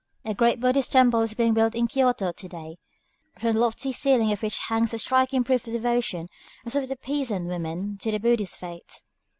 A great Buddhist temple is being built in Kyōtō to day, from the lofty ceiling of which hangs a striking proof of the devotion of some of the peasant women to the Buddhist faith.